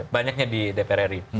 banyaknya di dprri